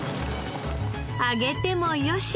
揚げてもよし。